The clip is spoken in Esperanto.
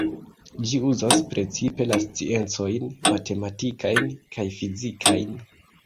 Ĝi uzas precipe la sciencojn matematikajn kaj fizikajn.